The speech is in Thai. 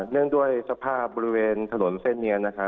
เนื่องด้วยสภาพบริเวณถนนเส้นนี้นะคะ